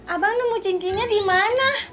abang nemu cincinya dimana